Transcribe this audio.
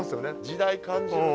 時代感じるな。